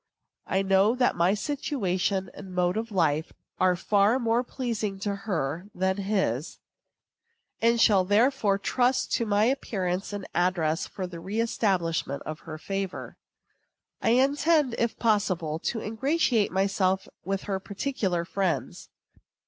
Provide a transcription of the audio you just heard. I know that my situation and mode of life are far more pleasing to her than his, and shall therefore trust to my appearance and address for a reëstablishment in her favor. I intend, if possible, to ingratiate myself with her particular friends.